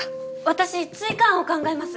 私追加案を考えます！